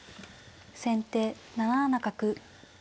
先手７七角。